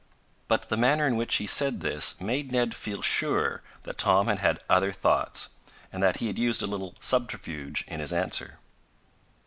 But the manner in which he said this made Ned feel sure that Tom had had other thoughts, and that he had used a little subterfuge in his answer.